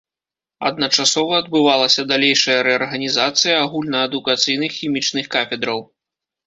Адначасова адбывалася далейшая рэарганізацыя агульнаадукацыйных хімічных кафедраў.